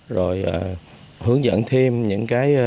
rồi hướng dẫn thêm những cái